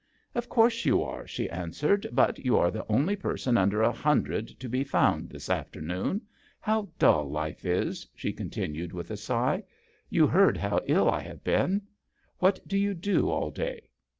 " Of course you are," she an swered; "but you are the only person under a hundred to be found this afternoon. How dull life is !" she continued, with a sigh. " You heard how ill I have been ? What do you do all day